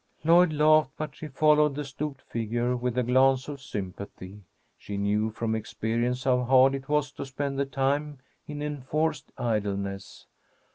Lloyd laughed, but she followed the stooped figure with a glance of sympathy. She knew from experience how hard it was to spend the time in enforced idleness.